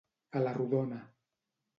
A la rodona.